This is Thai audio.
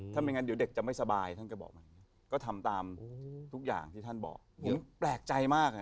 ถ้าไม่งั้นเดี๋ยวเด็กจะไม่สบายท่านก็บอกก็ทำตามทุกอย่างที่ท่านบอกผมแปลกใจมาก